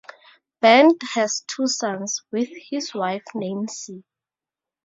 Bent has two sons with his wife Nancy.